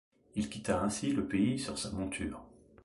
Il quitta ainsi le pays sur sa monture.